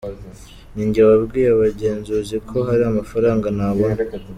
Ni njye wabwiye abagenzuzi ko hari amafaranga ntabona.